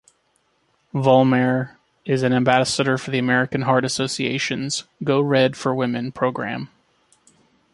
Vollmer is an ambassador for the American Heart Association's "Go Red for Women" program.